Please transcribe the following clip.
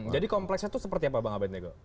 jadi kompleksnya itu seperti apa bang abed nego